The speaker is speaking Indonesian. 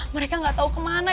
mereka gak tau kemana